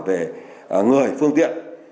về người phương tiện